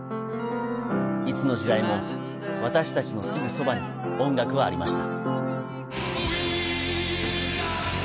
いつの時代も、私たちのすぐそばに音楽はありました。